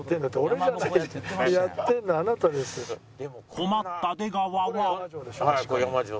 困った出川は